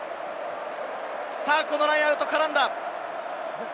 このラインアウト、絡んだ。